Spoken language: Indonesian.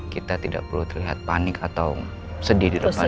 kita tidak perlu terlihat panik atau sedih di depan